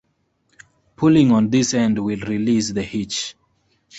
Pulling on this end will release the hitch.